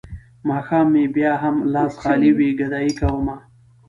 ماښام مې بيا هم لاس خالي وي ګدايي کومه.